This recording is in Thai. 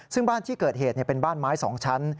ซึ่งบ้านที่เกิดเหตุเป็นบ้านไม้๒ชั้น